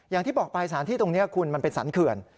อย่างที่บอกไปสถานที่ตรงนี้คุณมันเป็นสรรเขื่อน